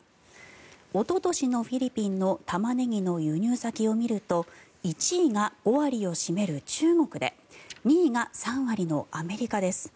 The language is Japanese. おととしのフィリピンのタマネギの輸入先を見ると１位が５割を占める中国で２位が３割のアメリカです。